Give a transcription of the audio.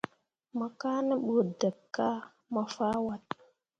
Mo kaa ne ɓu deb kah mo fah wat.